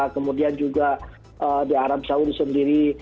kemudian juga di arab saudi sendiri